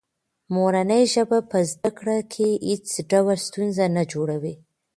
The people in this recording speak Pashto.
مورنۍ ژبه په زده کړه کې هېڅ ډول ستونزه نه جوړوي.